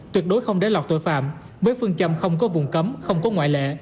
tuyệt đối không để lọt tội phạm với phương châm không có vùng cấm không có ngoại lệ